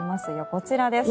こちらです。